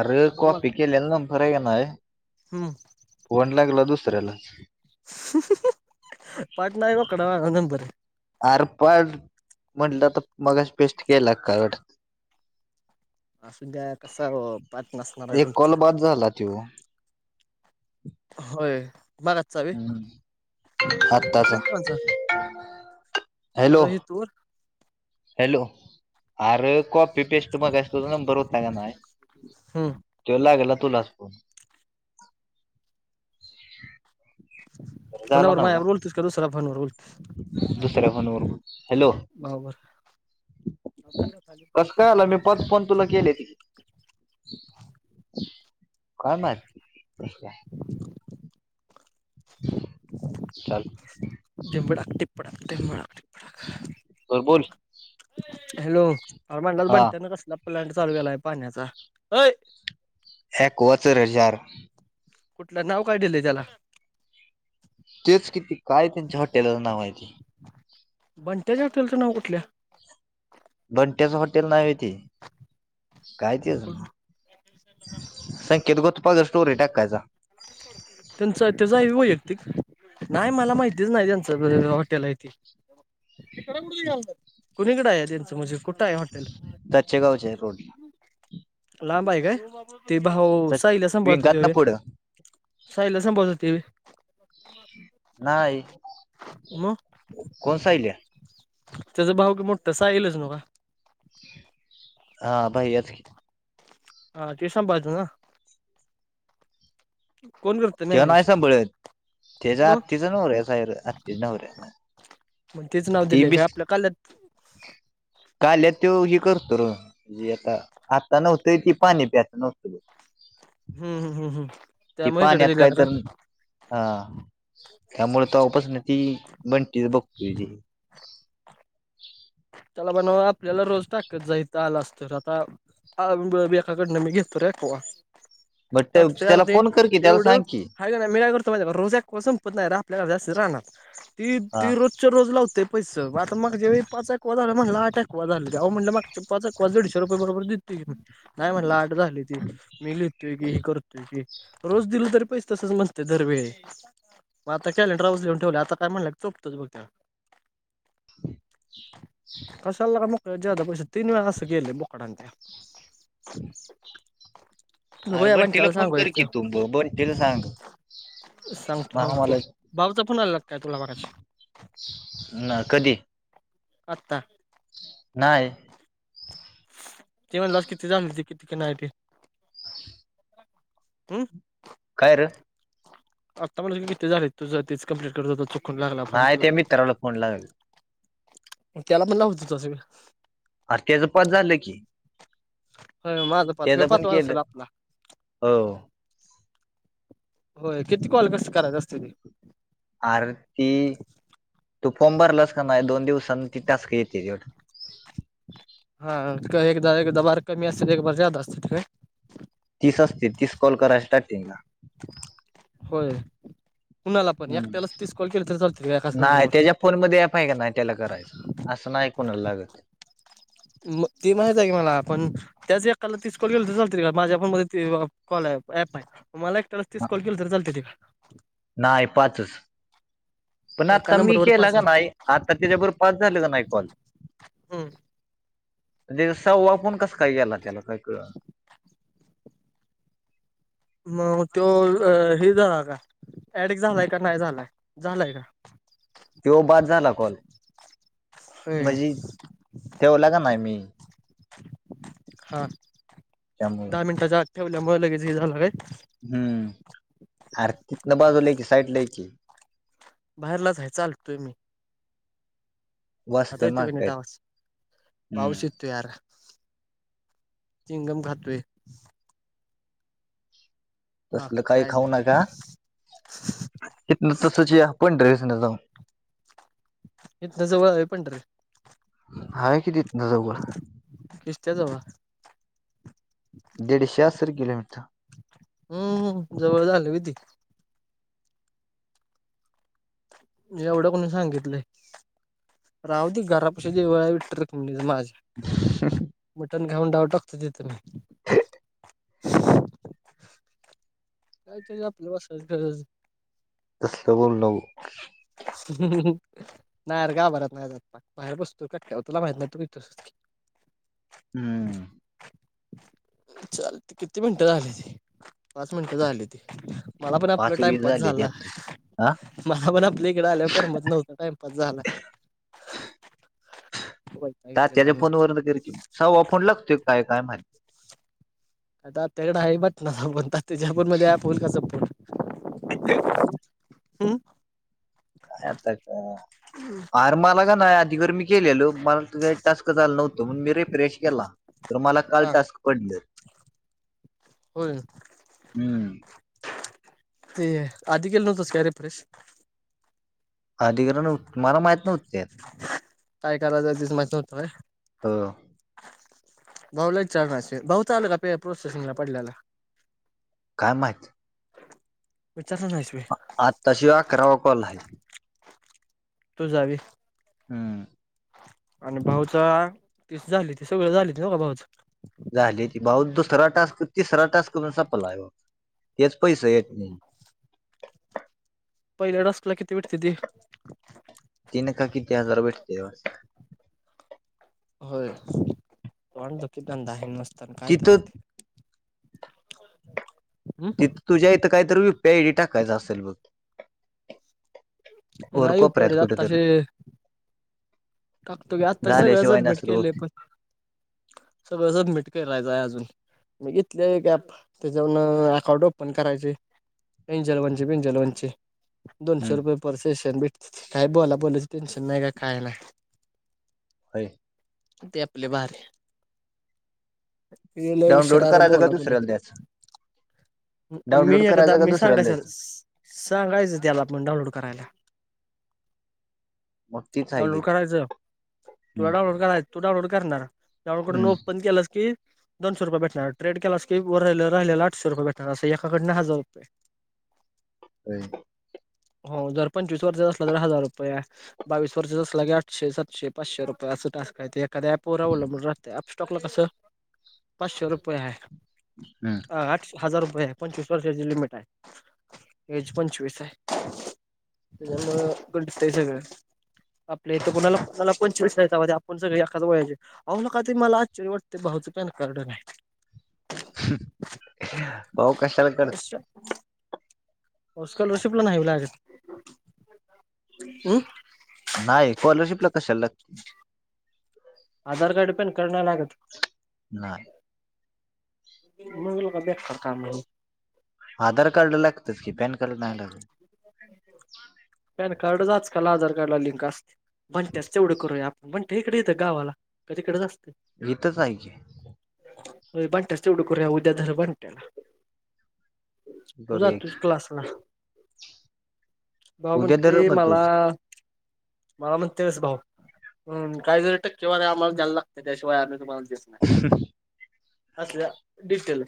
अर बरोबर कोपी केलेल्या [unintelligible] हम्म. फोन लागला दुसऱ्याला. पाट नाही आहे अकड नंबर अर पण म्हटलं तर मगाज पेस्ट केला का वाट [unintelligible] असू द्या कसा ओह पार्ट नसणार आहे तुमचा. [unintelligible] त्यो होय मग आताचा कोणचा हॅलो बोल हॅलो आर कॉपी पेस्ट बघायचं तुझा नंबर होता की नाय हम्म त्यो लागला तुलाच फोन. झाला कोणावर मावर [unintelligible] दुसरे फोन वरून भावर कसं काय आलं मी परत फोन तुला केलेले काय माहित कस काय ह धिंबडाक टिपडाक धिंबडाक बर बोल. हॅलो अर म्हणलाच हा बंट्यानं कसला प्लाट चालू केलाय पाण्याचा अय [unintelligible] कुठलं नाव काय दिलंय त्याला? तेच कि ते काय त्यांच्या हॉटेलाच नाव आहे? बट्याच्या हॉटेलचं नाव कुठल्या बनट्याच हॉटेल नाही होय ते काय त्याझ नाव संकेत गोतपदर स्टोरी टाकायचा. त्यांच त्याचा आहे होय वैयक्तिक? नाही मला माहितीच नाही त्यांचं हॉटेल आहे ते. हिकडं कुठं यालता, कोणीकडें आहे त्यांचं म्हणजे? कुठं आहे हॉटेल? त्याचे गावचे भवते लांबा आहे काय? ते भाऊ साईला संभळत ते विंगात ना होय? पुढं सहिला सांभाळत ते होय? नाही. मग कोण साहिल्या? त्याचा भाऊ बी मोठं साहिलच नवं? हा भाईयाच की. ह ते सांभाळतय नव? कोण करत ते नाही मॅनेज सांभळत त्याच्या मग आत्तीचा नवऱ्या सार आत्तीचा नव्हऱ्या मग तेच नाव दिले काय आपल्या कालत [unintelligible] काल्यात तो हे करतो रे आता आता नव्हतंय ती पाणी प्यायचं नव्हतं बघ हम्म हम् हम्म हम्. ती पाण्यात काय तर हा. त्यामुळे तपासून ती बंटी बघतोय ते. त्याला म्हणाव आपल्याला रोज टाकत जा हिथ आलास तर आता अ बी एकाकडन मी घेततो रे एक्वा बट तटतय अरे त्याला ते फोन कर की त्याला एवढं सांग की हाय कणी मी काय करतो माहित हाय काय रोज एक्वा संपत नाही आपल्याला हवे असते रानात ती हा ती रोज रोज लावतय पैस आता मगच्या वेळी पाच ओ दादा म्हणाला आठ एक्वा झालते आओ दादा म्हटल मगच पाच एक्वा दिडशे रुपये बरोबर दिलती नाही म्हटलं आठ झाली ती मी लिहतोय की ही करतोय की रोज दिल तरी पैसे तसंच म्हणते दर वेळे मग आता कॅलेनडरावरच लिहून ठेवलय आता काय म्हणला तर चोपतोच बग त्याला. [unintelligible] कसालला म मुक जदा पैश तीनवेळा अस केलय बकडान त्या. हम्. अर बघूया बंटीला बंट्याला फोन कर सांगूया की तु बग बंटीला सांग सांगतो मग सांगतो. भावचा फोन आलेला काय तुला मागाशी? ना कधी? आता? नाहीय. ते म्हणलास किती जाते कितीक नाही ते हम्. काय रं? आता म्हणलं किती झालेयं तुझं तेचं कम्प्लीट करत होता चुकून लागला फोन तुझा. मला फोन [unintelligible] त्याला पण लावतं तसं होईल. अरं त्याचं पाच झालं कि. हो माझं पाच ह्यो पण पाचवा केलं असलं आपला. हो होय, किती कॉल कसं करायचं असते ते? अरे ती तू फॉर्म भरलासं का. नाही दोन दिवसनी ती टास्क येत्याती वाड हा एकदा, एकदा बार कमी असते एक बार जास्त असते काय? तीस असते तीस कॉल करायच स्टार्टिंगला. बर कोणाला पण हम्म एकट्यालाचं तीस कॉल केल? नाही त्याच्या फोन मध्ये ॲप आहे का नाही त्याला करायच असं नाही कोणाला लागत. मग ते माहित आहे कि मला पण त्याच एकला तीस कॉल गेल तर चाल त माझ्या मध्ये कॉल अँप आहे. मला एकट्याला तीस हा. कॉल केला तर चालतील का? नाही पाचचं. पण एका आता मी नंबरवर केला पाच नाही आता त्याच्याबरोबर पाच झालं का नाही कॉल? हम्म. त्याचा सहावा फोन कसं काय गेला त्याला कळल नाही? मग तो हे झाला का ऍड झालाय का नाही झालाय का? तो बाद झाला कॉल, होय. म्हणजे? ठेवला का नाही मी. हा त्यामुळे दहा मिनिटाच्या आत ठेवल्यामुळे लगेच हे झालं व्हय? हम्म, आरं तिथेनं बाजूला ये की साईड ये कि. बाहेरलाच आहे चालतोयं मी. आता वाचते येतोय मग की नीट काय आवाज? हम्म पाऊस येतो यार. चिंगम खातोय. तसलं बाकी काही काय? खाऊ नका तिथनं तसच यार पंढरीस ना जाऊ. इथनं जवळ आहे पंढरी. आहे कि तिथनं जवळ. किश्त्या जवळ? दीडशे असेल किलोमीटर. हम्म, जवळ झाले व्हय ते. मी एवढं कोणी सांगितलंय राहू दे घरापशी देऊळ आहे विठ्ठल रखुमाई? मटण खाऊन डाव टाकतो तिथ मी. ह. [inaudible] काय तरी आपल्यासारखर [unintelligible] [inaudible] तसलं बोलू नको. नाही गाभऱ्यात नाही अजिबात बाहेर बसतो कट्ट्या तुला माहित नाही इथंच. [inaudible] हम्म [inaudible] चालते किती मिनिटं झाली ते? पाच मिनिटं झाली ते. मला पण आपला पाच टाईम वीस पास झाले झाला, त्यात हा मला पण इकडे आल्या करमत नव्हतं टाईमपास झाला. [inaudible] फोन वरन कर कि. कव्ह फोन लागतो काय, काय माहित? आता आ [unintelligible] त्याकडे आहे बटनाचा फोन त्याच्या मध्ये ऍप होईल का? ह. [inaudible] हम्म [unintelligible] अरे मला का नाही आधी गर्मी केलेलो मला टास्क झालं नव्हतो मी रेप्रेश केला तर मला काल हा टास्क पडलें. होयर. ते आधी केलं नव्हतंस का री फ्रेश? अधिक्रण मला माहीत नव्हते. काय करायचं तेच माहित नव्हतं काय. हो. भाऊ ला विचारल असेल भाऊच आल का प्रोसेसिंग ला पडल्याला. काय माहित. विचार नाहीस वी. आत्ताशी अकरावा कॉल आहे. तू जावी. हम. आणि भाऊच [inaudible] झाली ती सगळ झाली त भाऊच. झाले ती भाऊ दुसराव टास्क कर तीसरा टास्क करून संपला तेच पैसे येत. पहिल्या टासकला किती भेटते ती. तीन का किती हजार भेटते. होय पण [inaudible] आहे नसताना काय व तिथं ती. हम [unintelligible] तिथं तुझ्या इथं काहीतरी यू पीआयडी टाकायचं असेल बघ. वर नाही यू पी आय कोपऱ्यात डी कुठं तर. आत्ताशी टाकतो की आत्ता सगळं झाल्याशिवाय सबमिट नसेल केले बहुतेक. पण. सगळं सबमिट [inaudible] अजून. [inaudible] एक ऍप त्याच्यावरून अकाउंट ओपन करायचे. पिंचचाल म्हणची पिंचल म्हणचे. दोनशे हम्म. रुपये परसेेशन भेट काय बोला बोलायच टेन्शन नाही काय नाही. होय. ते आपले भारी. [inaudible] मी डाउनलोड करायचं का दुसऱ्याला द्यायचं डाउनलोड एकखादा करायचं का मी दुसऱ्याला सांगायच द्यायचं सांगायचं त्याला आपण डाउनलोड करायला. मग तीच आहे की. डाउनलोड तुला डाऊनलोड कराय तू डाउनलोड करणार डाउनलोड हम्म. ओपन केलं की. दोनशे रुपये भेटणार ट्रेड केलास की राहिला आठशे रुपये भेटणार अस एकाकडन हजार रुपये. [inaudible] हो जर पंचवीस वर्षचा असला तर हजार रुपये बावीस वर्षाचा. आठशे सातशे पाचशे रुपये अस टाक आहेय एखाद्यापोरावलंबून राहते. स्टॉक ला कसं पाचशे रुपये आहे. हम्. ह आठ हजार रुपये आहे पंचवीस वर्षाची लिमिट आहे. एज पंचवीस आहे त्याच्यामुळे [inaudible] आहे सगळं. आपल्या इथे कोणाला कोणाला कोण आपण सगळे एकाच वयाचे आहे. [inaudible] का तरी मला आश्चर्य वाटतं भाऊचं पैन कारड नाही. भाऊ कशाला करत. [unintelligible] स्कॉलरशिपला नाहीला लागत. नाही स्कॉलरशिप ला कशाला लागते. आधार कार्ड पॅन कार्ड नाही लागत. नाही. मग लका बेकार काम आहे मग. आंधार कार्ड लागतेच कि पॅन कार्ड नाहीं लागतं पॅन कार्डच आंजकांल आंधार कार्ड लां लिंक असते म्हणतेस तेवढं करूंया आपणं म्हणतं इकडे येतं गावांला कां तिकडेच असते. इथेचं आहे की. बंटस तेवढं करं उद्यां बंट्याला. तुं बरं तुझां क्लांसला. भाऊ उद्या म्हणते तर मग तूच मलां. मलां म्हंण तेच भाऊ कायं तरी टक्केवारी आम्हांला द्यां लागते त्यांच्याशिवाय आम्हीं तुम्हांला दिसो. असल्यां.. डिटेल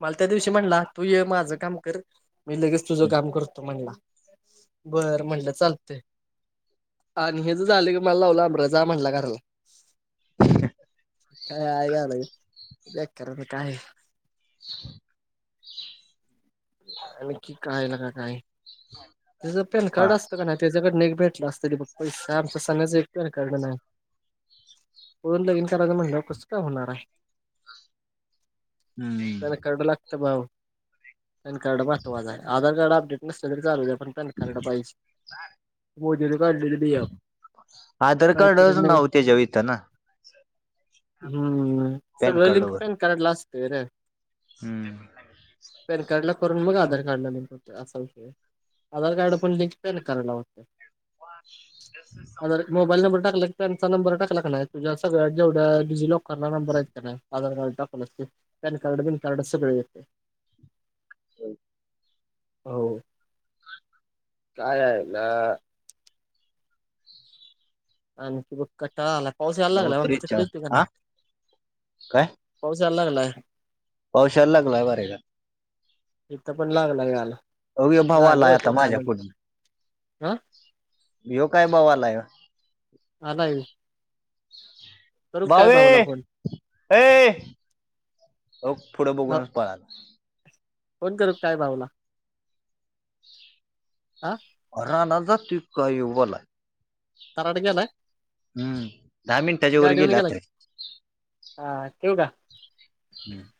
मलां त्यां दिवशी म्हणंला तूं ये माझं कामं करं. मी लगेच तुझं कामं करतो म्हणलां बरं म्हणलं चालते. आणि हे जे झाले की मलां लावलं जां म्हंटला घरांला. ठीक आहे.. हां आहे नां.. ब्लॅक कलंर बेट कायं आहे आंणखी कयलां कां कायं तुचं पॅन हा कडे असतं कां नाहीं. त्यांच्याकडे नको भेटला असतं तरी बघं पैसा आमचां सांगण्याचं. कारणं नाहीं लग्नं कराचं म्हणलं कसं काम होणारं आहे. हम्म त्यांला कडे लागतो भाऊ. पॅन कार्ड महत्वाचं आहे आंधार कार्ड अपडेट नसलं तरी चालूं आहे पणं. पॅन कार्ड पाहिजे मोदी ने काढलेले नियम. आंधार कार्ड चं नांव त्यांच्यावर येताना हम्मं पॅन सगळं लिंक पॅन कार्ड लां असतंय रे. हम्मं.... पॅन कार्ड लां करूंन मंग आंधार कार्ड लिंक होते असांल आंधार कार्ड पणं लिंक लिंक पॅन कार्ड लां होते अं मोबाईल नंबर टाकलां की त्यांचा नंबर टाकलां की नाहीं तुझ्यां सगळ्यां जवढ्यां डिजि लॉकर. कलां नंबर आहे त्यां Aadhaar card PAN card PAN card सगळे येते. हम्मं... हो कायं आहे नां.. आंणखी बघं क्टाळां आलां पाऊस यायलां नऊ लागंला म्हणजे तिकडे त्रेचाळ येते की हा नाहीं पाऊस यायलां लागलांय पाऊस यांयला लागंला आहे बरे कां. इथं पणं लागंला यांयला अव्य कायं भावांला आंता माझ्यां पुढं हा यो कायं भावांला आहे.. आलां आहे. भावे भाऊला फोन? अं ए पुढं भाऊ बघूंनचं पळांला फोन करूं कायं भाऊला. हां रानांतचं टिपका येवलां करांडक्यांला हांय हम्मं दहा मिनिटांच्या वरं गेलांय हां ठेवूं कां हम्मं..